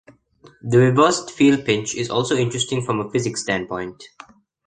The Reversed Field Pinch is also interesting from a physics standpoint.